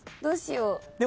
どうしよう？